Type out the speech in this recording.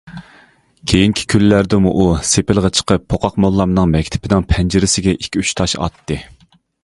كېيىنكى كۈنلەردىمۇ ئۇ سېپىلغا چىقىپ پوقاق موللامنىڭ مەكتىپىنىڭ پەنجىرىسىگە ئىككى- ئۈچ تاش ئاتتى.